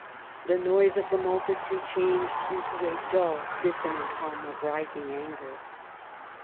The noise of the multitude changed into a dull dissonant hum of rising anger.